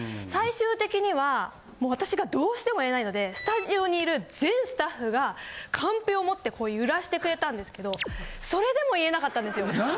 最終的にはもう私がどうしても言えないのでスタジオにいる全スタッフがカンペを持ってこう揺らしてくれたんですけどそれでも言えなかったんですよね。